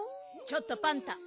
ちょっとパンタ。